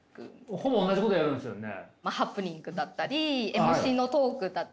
ほぼ同じことやるんですよね？